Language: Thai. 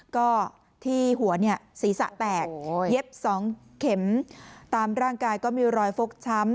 ก็ที่หัวเนี่ยศีรษะแตกเย็บ๒เข็มตามร่างกายก็มีรอยฟกช้ำ